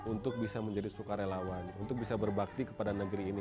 untuk bisa menjadi sukarelawan untuk bisa berbakti kepada negeri ini